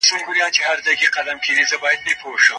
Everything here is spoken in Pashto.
ملي شورا سرحدي امنیت نه کمزوری کوي.